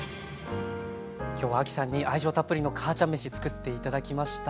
今日は亜希さんに愛情たっぷりの「母ちゃんめし」作って頂きました。